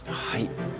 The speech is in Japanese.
はい。